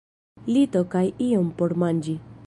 Lito kaj ion por manĝi.